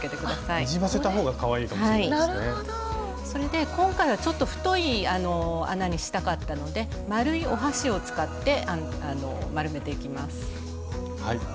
それで今回はちょっと太い穴にしたかったので丸いお箸を使って丸めていきます。